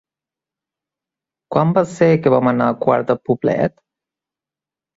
Quan va ser que vam anar a Quart de Poblet?